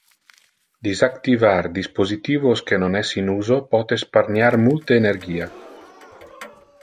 Disactivar dispositivos que non es in uso pote sparniar multe energia.